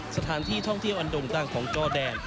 สถานที่ท่องเที่ยวอันด่งดังของจอแดน